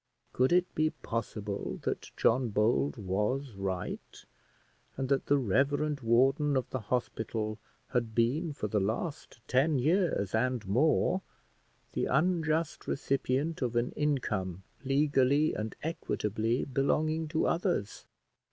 Could it be possible that John Bold was right, and that the reverend warden of the hospital had been for the last ten years and more the unjust recipient of an income legally and equitably belonging to others?